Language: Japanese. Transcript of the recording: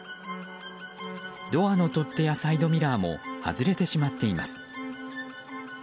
ドアの取っ手やサイドミラーも外れてしまっています。